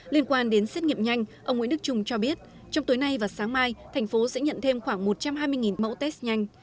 liên quan đến xét nghiệm nhanh ông nguyễn đức trung cho biết trong tối nay và sáng mai thành phố sẽ nhận thêm khoảng một trăm hai mươi mẫu test nhanh